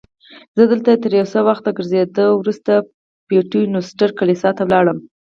زه دلته تر یو څه وخت ګرځېدو وروسته د پیټر نوسټر کلیسا ته ولاړم.